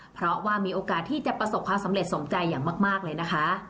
เพราะว่ามีโอกาสที่จะประสบความสำเร็จสมใจอย่างมากเลยนะคะ